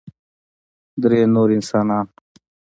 درې نور انسانان